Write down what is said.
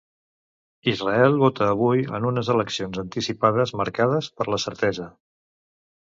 Israel vota avui en unes eleccions anticipades marcades per la certesa.